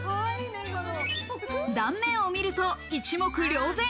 断面を見ると一目瞭然。